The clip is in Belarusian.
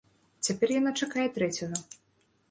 Цяпер яна чакае трэцяга.